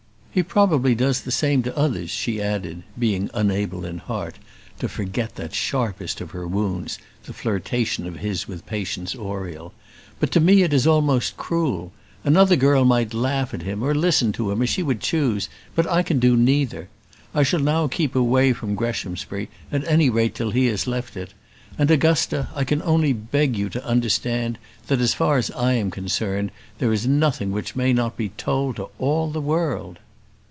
He probably does the same to others," she added, being unable in heart to forget that sharpest of her wounds, that flirtation of his with Patience Oriel; "but to me it is almost cruel. Another girl might laugh at him, or listen to him, as she would choose; but I can do neither. I shall now keep away from Greshamsbury, at any rate till he has left it; and, Augusta, I can only beg you to understand, that, as far as I am concerned, there is nothing which may not be told to all the world."